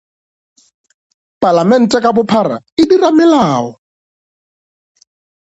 Palamente ka bophara e dira melao.